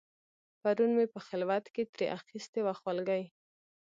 پرون مې په خلوت کې ترې اخیستې وه خولګۍ